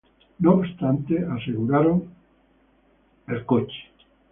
No obstante, aseguraron el toro.